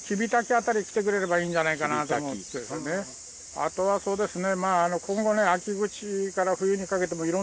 あとはそうですね。